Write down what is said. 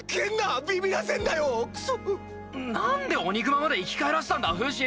なんでオニグマまで生き返らしたんだフシ！